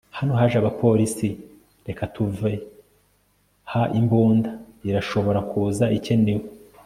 hano haje abapolisi. reka tuve ha imbunda irashobora kuza ikenewe